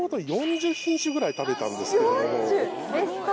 ぐらい食べたんですけれども。